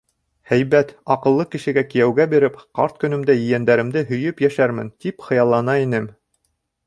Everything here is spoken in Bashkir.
Һәйбәт, аҡыллы кешегә кейәүгә биреп, ҡарт көнөмдә ейәндәремде һөйөп йәшәрмен, тип хыяллана инем...